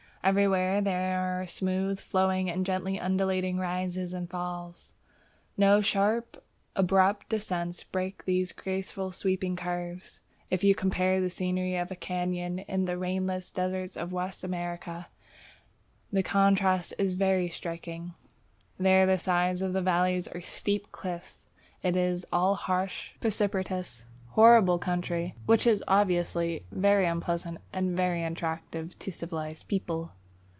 Everywhere there are smooth, flowing, gently undulating rises and falls. No sharp, abrupt descents break these graceful sweeping curves. If you compare the scenery of a cañon in the rainless deserts of Western America, the contrast is very striking. There the sides of the valleys are steep cliffs; it is all harsh, precipitous, horrible country, which is obviously very unpleasant and very unattractive to civilized people.